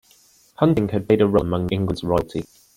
Hunting had played a role among England's royalty.